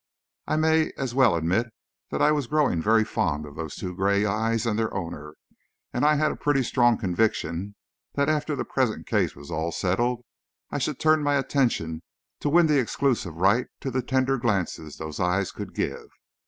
I may as well admit that I was growing very fond of those two gray eyes and their owner, and I had a pretty strong conviction that after the present case was all settled I should turn my attention to the winning of the exclusive right to the tender glances those eyes could give.